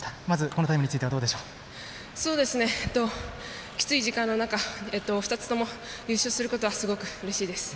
このタイムについてはきつい時間で２つとも優勝することはすごくうれしいです。